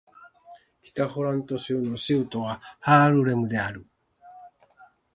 北ホラント州の州都はハールレムである